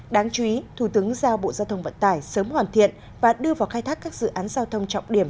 đáng chú ý thủ tướng giao bộ giao thông vận tải sớm hoàn thiện và đưa vào khai thác các dự án giao thông trọng điểm